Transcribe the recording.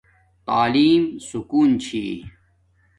تعلیم سکون چھی